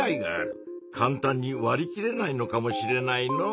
かんたんにわりきれないのかもしれないのう。